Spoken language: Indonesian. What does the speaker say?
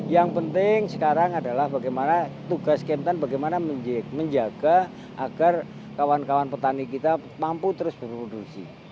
yang penting sekarang adalah bagaimana tugas kempan bagaimana menjaga agar kawan kawan petani kita mampu terus berproduksi